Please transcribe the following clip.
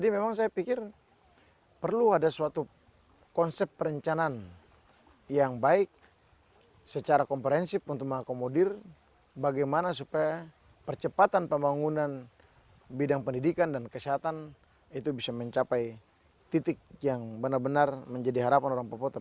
memang saya pikir perlu ada suatu konsep perencanaan yang baik secara komprehensif untuk mengakomodir bagaimana supaya percepatan pembangunan bidang pendidikan dan kesehatan itu bisa mencapai titik yang benar benar menjadi harapan orang papua